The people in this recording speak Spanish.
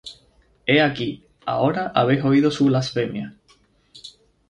He aquí, ahora habéis oído su blasfemia.